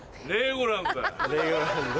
レーゴランド。